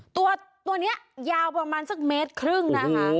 ตัวนี้ยาวประมาณสักเมตรครึ่งนะคะ